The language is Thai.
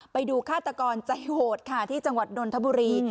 ไปดูฆ่าตะกรใจโหดที่จังหวัดดนทบุฬี